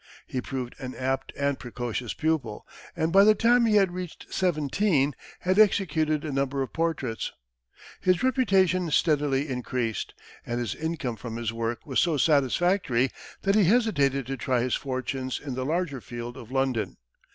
He proved an apt and precocious pupil, and by the time he had reached seventeen had executed a number of portraits. His reputation steadily increased, and his income from his work was so satisfactory that he hesitated to try his fortunes in the larger field of London.